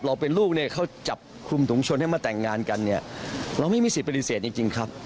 เราเป็นลูกเนี่ยเขาจับคุมถุงชนให้มาแต่งงานกันเนี่ยเราไม่มีสิทธิปฏิเสธจริงครับ